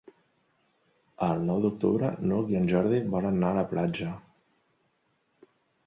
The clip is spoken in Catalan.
El nou d'octubre n'Hug i en Jordi volen anar a la platja.